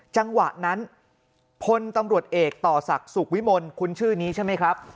จังหวะนั้นพลตำรวจเอกต่อศักดิ์สุขวิมลคุณชื่อนี้ใช่ไหมครับ